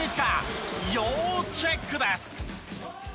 要チェックです！